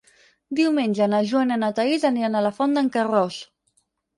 Diumenge na Joana i na Thaís aniran a la Font d'en Carròs.